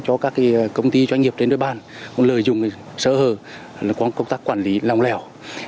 cho các công ty doanh nghiệp trên địa bàn lợi dụng sở hờ công tác quản lý lòng lẻo